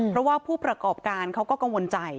เพราะว่าผู้ประกอบการเขาก็กังวลใจ